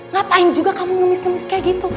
ngapain juga kamu ngemis ngemis kayak gitu